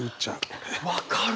分かる。